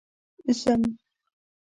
ځم